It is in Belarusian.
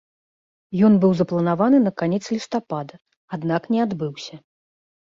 Ён быў запланаваны на канец лістапада, аднак не адбыўся.